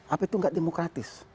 apa itu nggak demokratis